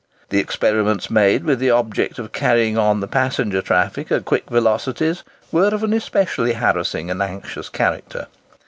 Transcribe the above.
The experiments made with the object of carrying on the passenger traffic at quick velocities were of an especially harassing and anxious character.